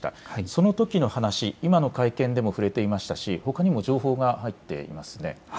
そのときの話、今の会見でも触れていましたしほかにも情報が入っていますね。